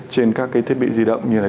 trên các cái thiết bị di động như là